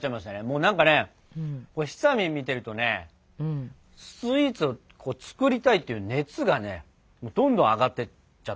もうなんかねひさみん見てるとねスイーツを作りたいっていう熱がねどんどん上がってっちゃったね。